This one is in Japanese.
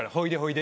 で？